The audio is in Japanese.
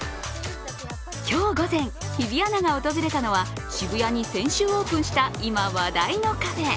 今日午前、日比アナが訪れたのは渋谷に先週オープンした今話題のカフェ。